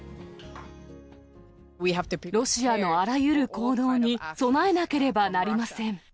ロシアのあらゆる行動に備えなければなりません。